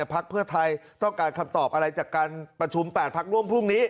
พักเพื่อไทยต้องการคำตอบอะไรจากการประชุม๘พักร่วมพรุ่งนี้